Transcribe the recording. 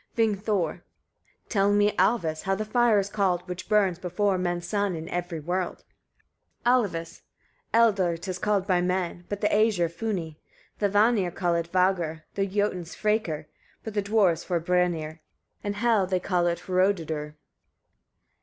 Vingthor. 26. Tell me, Alvis! etc., how the fire is called, which burns before men's sons in every world. Alvis. 27. Eldr 'tis called by men, but by the Æsir funi; the Vanir call it vagr, the Jotuns frekr, but the Dwarfs forbrennir; in Hel they call it hrodudr.